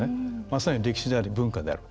まさに歴史であり文化である。